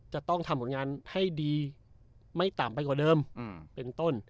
จะต้องทำผลงานให้ดีไม่ต่ำไปกว่าเดิมเป็นต้น